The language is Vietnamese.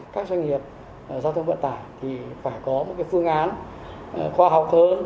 các doanh nghiệp giao thông vận tải thì phải có một phương án khoa học hơn